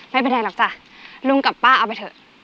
ไม่เป็นไรหรอกจ้ะลุงกับป้าเอาไปเถอะ